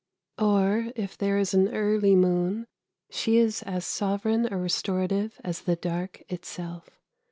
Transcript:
Or if there is an early moon, she is as sovereign a restorative as the dark itself.